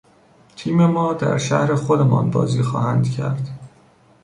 تیم ما در شهر خودمان بازی خواهند کرد.